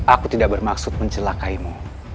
aku tidak bermaksud mencelakaimu